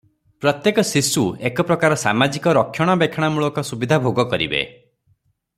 ପ୍ରତ୍ୟେକ ଶିଶୁ ଏକ ପ୍ରକାର ସାମାଜିକ ରକ୍ଷଣାବେକ୍ଷଣମୂଳକ ସୁବିଧା ଭୋଗ କରିବେ ।